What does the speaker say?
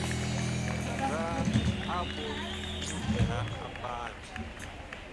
Nzaa a ɓol nyu nlɛha a paan?